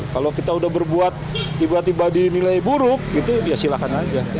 kalau kita sudah berbuat tiba tiba di nilai buruk silahkan aja